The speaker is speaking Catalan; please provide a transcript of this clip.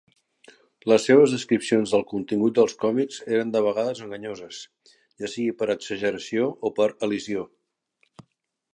Les seves descripcions del contingut dels còmics eren de vegades enganyoses, ja sigui per exageració o per elisió.